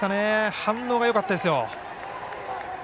反応がよかったですよ。